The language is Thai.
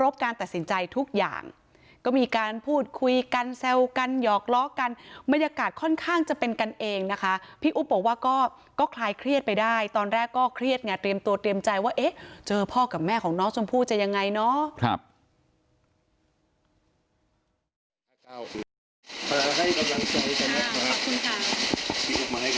ขอบคุณบรรยากาศค่อนข้างจะเป็นกันเองนะคะพี่อุ๊บบอกว่าก็คลายเครียดไปได้ตอนแรกก็เครียดไงเตรียมตัวเตรียมใจว่าเอ๊ะเจอพ่อกับแม่ของน้องชมพู่จะยังไงเนาะ